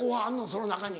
その中に。